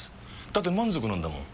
だって満足なんだもん。